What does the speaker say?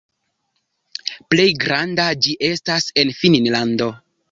Plej granda ĝi estas en Finnlando.